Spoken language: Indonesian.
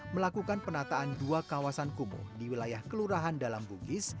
melakukan penataan dua kawasan kumuh di wilayah kelurahan dalam bugis